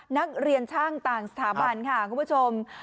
นักเรียนช่างต่างสถาบันค่ะคุณผู้ชม